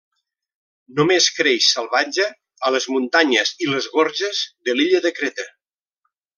Només creix salvatge a les muntanyes i les gorges de l'illa de Creta.